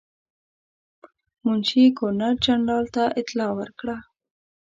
منشي ګورنر جنرال ته اطلاع ورکړه.